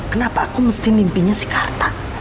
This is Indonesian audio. kenapa aku mesti mimpinya si karta